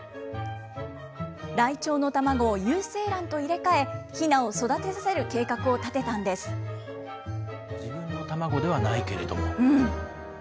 ライチョウの卵を有精卵と入れ替え、ひなを育てさせる計画を立て自分の卵ではないけれども。